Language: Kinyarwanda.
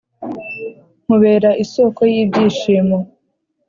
nkubera isoko y'ibyishimo